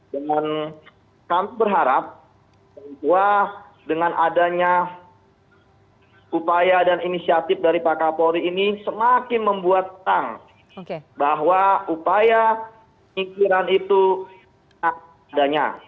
dan kami berharap bahwa dengan adanya upaya dan inisiatif dari pak kapolri ini semakin membuat tangg bahwa upaya penyingkiran itu tidak adanya